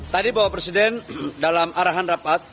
tadi bapak presiden dalam arahan rapat